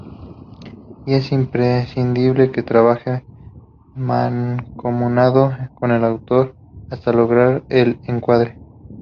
Y es imprescindible que trabaje mancomunado con el autor, hasta lograr el encuadre.